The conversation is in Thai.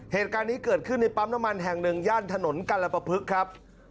เหตุการณ์นี้เกิดขึ้นในปั๊มน้ำมันแห่งหนึ่งย่านถนนกรปภึกครับ